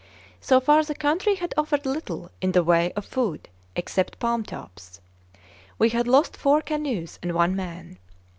So far the country had offered little in the way of food except palm tops. We had lost four canoes and one man.